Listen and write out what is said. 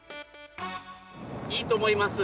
いいと思います。